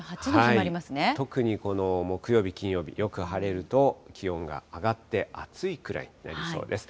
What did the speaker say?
特にこの木曜日、金曜日、よく晴れると、気温が上がって、暑いくらいになりそうです。